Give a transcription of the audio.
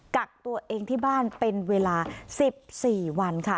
กักตัวเองที่บ้านเป็นเวลา๑๔วันค่ะ